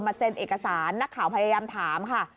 เซ็นเอกสารนักข่าวพยายามถามค่ะ